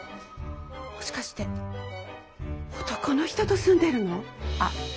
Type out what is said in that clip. もしかして男の人と住んでるの？